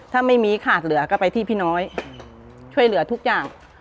ถ้าไม่มีขาดเหลือก็ไปที่พี่น้อยช่วยเหลือทุกอย่าง